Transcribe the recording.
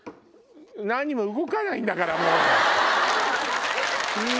何にも動かないんだからもう。